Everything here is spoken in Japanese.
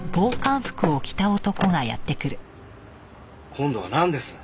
今度はなんです？